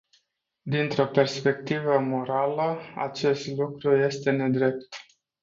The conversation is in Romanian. Dintr-o perspectivă morală, acest lucru este nedrept.